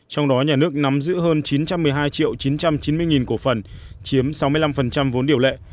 trong đó nhà nước nắm giữ hơn chín trăm một mươi hai chín trăm chín mươi cổ phần chiếm sáu mươi năm vốn điều lệ